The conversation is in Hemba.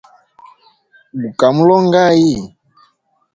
Gu ka mulongʼayi?